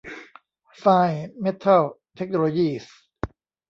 ไฟน์ เม็ททัล เทคโนโลยีส์